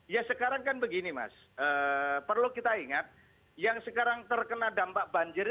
ya sekarang kan begini mas perlu kita ingat yang sekarang terkena dampak banjir